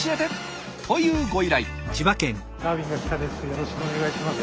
よろしくお願いします。